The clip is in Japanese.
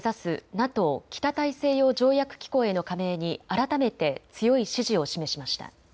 ＮＡＴＯ・北大西洋条約機構への加盟に改めて強い支持を示しました。